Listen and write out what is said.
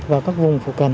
và các vùng phụ cần